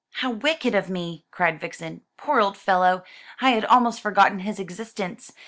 "How wicked of me!" cried Vixen. "Poor old fellow! I had almost forgotten his existence.